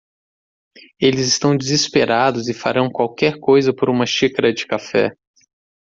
Eles estão desesperados e farão qualquer coisa por uma xícara de café.